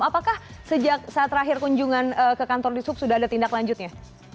apakah sejak saat terakhir kunjungan ke kantor di sub sudah ada tindak lanjutnya